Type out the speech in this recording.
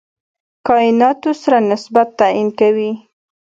کایناتو سره نسبت تعیین کوي.